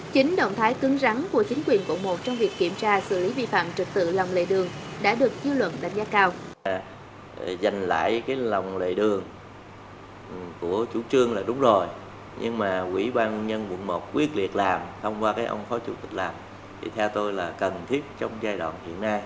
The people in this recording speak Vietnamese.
chính động thái cứng rắn của chính quyền quận một trong việc kiểm tra xử lý vi phạm trật tự lòng lệ đường